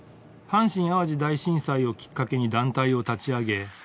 阪神・淡路大震災をきっかけに団体を立ち上げ